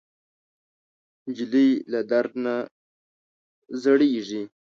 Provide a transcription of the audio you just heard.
نجلۍ له درد نه زړېږي.